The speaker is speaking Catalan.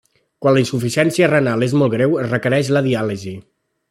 Quan la insuficiència renal és molt greu es requereix la diàlisi.